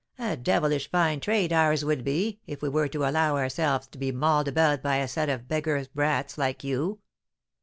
A devilish fine trade ours would be, if we were to allow ourselves to be mauled about by a set of beggars' brats like you!"